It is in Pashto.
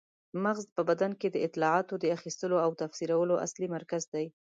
مغز په بدن کې د اطلاعاتو د اخیستلو او تفسیرولو اصلي مرکز دی.